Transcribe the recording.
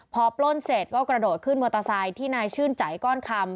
พอปล้นเสร็จก็กระโดดขึ้นมอเตอร์ไซค์ที่นายชื่นใจก้อนคำ